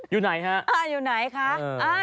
อยู่ไหนฮะ